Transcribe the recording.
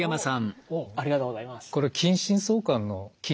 ありがとうございます。